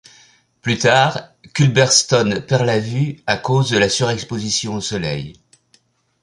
Plus tard Culbertson perd la vue à cause de la surexposition au soleil.